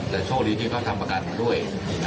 แต่โชคดีที่เขาทำประกันมาด้วย